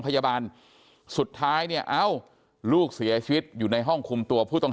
พยาบาลสุดท้ายเนี่ยเอ้าลูกเสียชีวิตอยู่ในห้องคุมตัวผู้ต้อง